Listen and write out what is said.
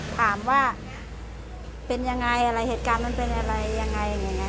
ถามว่าเป็นยังไงอะไรเหตุการณ์มันเป็นอะไรยังไงอย่างนี้